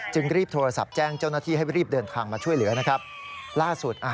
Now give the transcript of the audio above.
รีบโทรศัพท์แจ้งเจ้าหน้าที่ให้รีบเดินทางมาช่วยเหลือนะครับล่าสุดอ่ะ